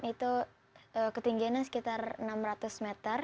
itu ketinggiannya sekitar enam ratus meter